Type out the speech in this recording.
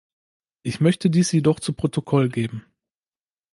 Ich möchte dies jedoch zu Protokoll geben.